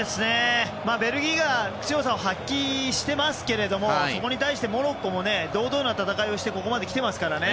ベルギーが強さを発揮していますけれどもそこに対してモロッコも堂々な戦いをしてここまできてますからね。